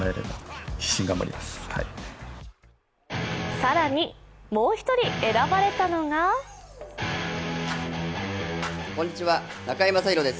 更に、もう１人選ばれたのがこんにちは、中居正広です。